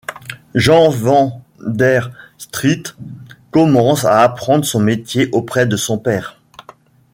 Jan van der Straet commence à apprendre son métier auprès de son père.